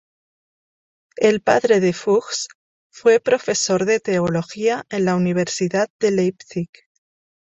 El padre de Fuchs fue profesor de teología en la Universidad de Leipzig.